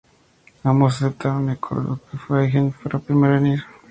Ambos aceptaron y se acordó que Haydn fuera el primero en ir.